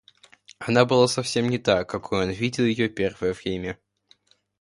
Она была совсем не та, какою он видел ее первое время.